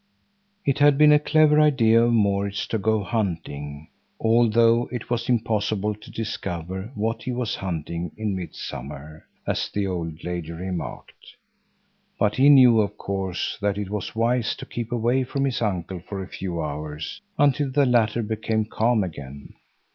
It had been a clever idea of Maurits to go hunting; although it was impossible to discover what he was hunting in midsummer, as the old lady remarked. But he knew of course that it was wise to keep away from his uncle for a few hours until the latter became calm again.